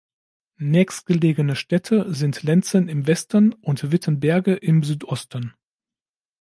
Nächstgelegene Städte sind Lenzen im Westen und Wittenberge im Südosten.